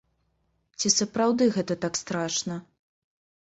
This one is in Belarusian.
Ці сапраўды гэта так страшна?